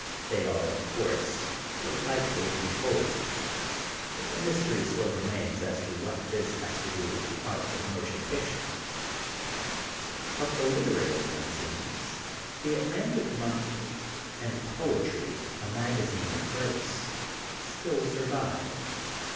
They are, of course, delightful to behold but the mystery still remains as to what this has to do with the art of the motion picture. Of the literary magazines^ the Atlantic Monthly and THE GOLDEN BOOK OF SPRINGFIELD 107 Poetry, a Magazine of Verse, still survive.